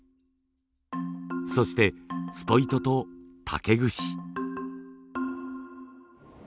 そしてスポイトと竹串。